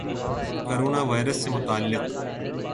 corona virus سے متعلق